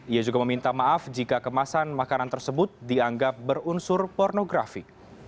ia juga meminta maaf jika kemasan makanan tersebut dianggap berunsur pornografi